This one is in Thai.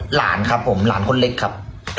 หลานครับผมหลานคนเล็กครับ